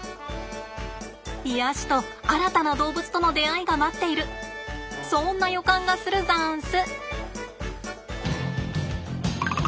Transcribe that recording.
癒やしと新たな動物との出会いが待っているそんな予感がするざんす。